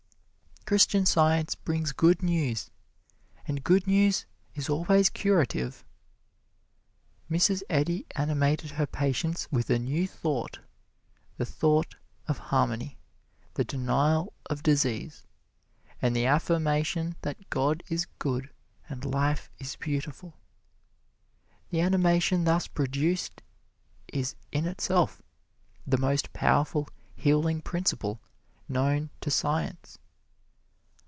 Christian Science brings good news, and good news is always curative. Mrs. Eddy animated her patients with a new thought the thought of harmony, the denial of disease, and the affirmation that God is good and life is beautiful. The animation thus produced is in itself the most powerful healing principle known to science.